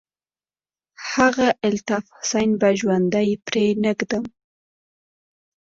هغه الطاف حسين به ژوندى پرې نه ږدم.